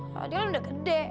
padahal udah gede